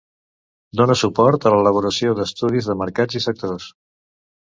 Dona suport en l'elaboració d'estudis de mercats i sectors.